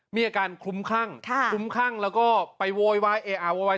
มีอาการคลุ้มคลั่งคลุ้มคลั่งแล้วก็ไปโวยวายเออะโวยวาย